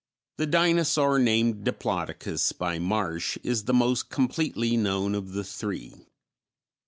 The dinosaur named Diplodocus by Marsh is the most completely known of the three.